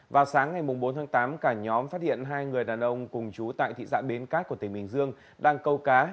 vào sáng ngày bốn tháng tám cả nhóm phát hiện hai người đàn ông cùng chú tại thị xã bến cát của tỉnh bình dương đang câu cá